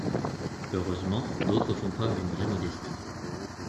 Heureusement, d'autres font preuve d'une vraie modestie.